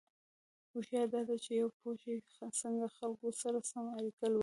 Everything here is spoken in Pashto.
هوښیاري دا ده چې پوه شې څنګه له خلکو سره سمه اړیکه ولرې.